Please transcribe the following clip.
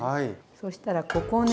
そしたらここをね